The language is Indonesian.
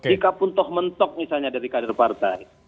jika pun toh mentok misalnya dari kader partai